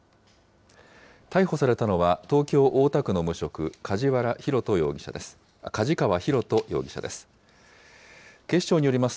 逮捕されたのは、東京・大田区の無職、梶川寛人容疑者です。